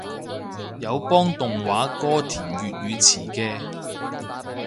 有幫動畫歌填粵語詞嘅